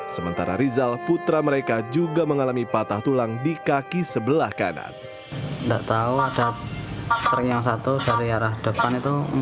sementara rizal putra mereka juga mengalami patah tulang di kaki sebelah kanan